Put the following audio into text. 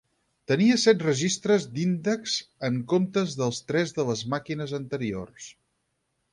Tenia set registres d'índex, en comptes dels tres de les màquines anteriors.